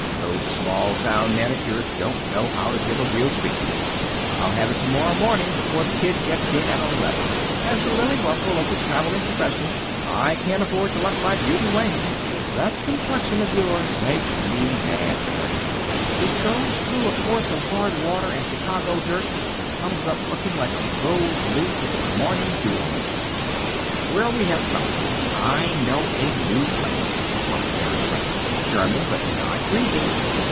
Those small town manicures don't know how to give a real treatment." "I'll have it to morrow morning, before the Kid gets in at eleven. As the Lily Russell of the traveling profession I can't afford to let my beauty wane. That complexion of yours makes me mad, Mary. It goes through a course of hard water and Chicago dirt and comes up looking like a rose leaf with the morning dew on it. Where'll we have supper?" "I know a new place," replied Mary Cutting. "German, but not greasy."